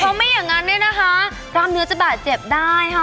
เพราะไม่อย่างนั้นเนี่ยนะคะกล้ามเนื้อจะบาดเจ็บได้ค่ะ